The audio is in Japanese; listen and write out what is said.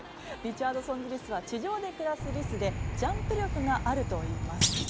リチャードソンジリスは地上で暮らすリスでジャンプ力があるといいます。